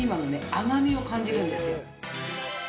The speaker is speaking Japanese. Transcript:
甘みを感じるんですよ。